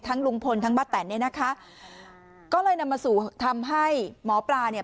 ลุงพลทั้งป้าแตนเนี่ยนะคะก็เลยนำมาสู่ทำให้หมอปลาเนี่ย